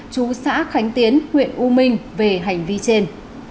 chú xã khánh tiến huyện u minh về hành vi trên